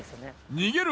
逃げる